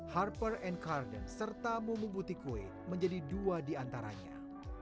harper and carden serta mumu butikwe menjadi dua di antaranya